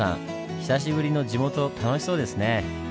久しぶりの地元楽しそうですね。